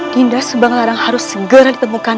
dinas subang lara harus segera ditemukan